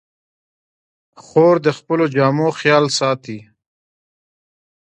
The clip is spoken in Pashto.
خور د خپلو جامو خیال ساتي.